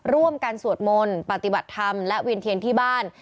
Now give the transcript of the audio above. ร่วมกันสวดมนต์ปฏิบัติธรรมและเวียนเทียนที่บ้าน